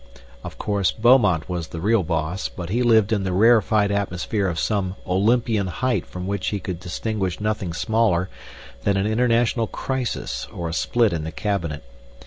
Of course, Beaumont was the real boss; but he lived in the rarefied atmosphere of some Olympian height from which he could distinguish nothing smaller than an international crisis or a split in the Cabinet.